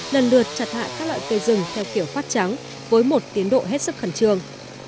hành lượt chặt hại các loại cây rừng theo kiểu phát trắng với một tiến độ hết sức khẩn trường